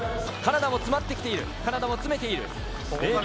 カナダも詰まってきている、詰めている、０．９１。